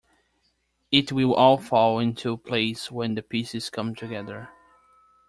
It will all fall into place when the pieces come together.